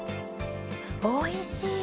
おいしい！